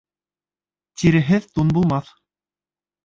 Тиреһеҙ тун булмаҫ.